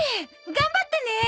頑張ってね。